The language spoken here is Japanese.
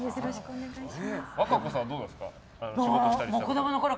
和歌子さん、どうですか？